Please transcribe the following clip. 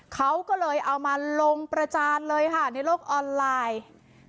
เขาก็เลยเอามาลงประจานเลยค่ะในโลกออนไลน์